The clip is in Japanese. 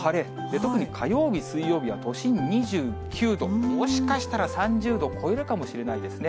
特に火曜日、水曜日は、都心２９度、もしかしたら３０度超えるかもしれないですね。